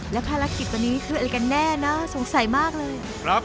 แล้วภารกิจวันนี้คืออะไรกันแน่นะสงสัยมากเลย